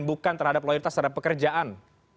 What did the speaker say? bukan terhadap loyalitas terhadap pekerjaan